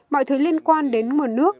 mọi thứ liên quan đến nguồn nước